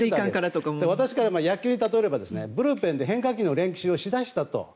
私から野球に例えたらブルペンで変化球の練習をしていたと。